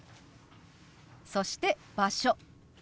そして「場所」。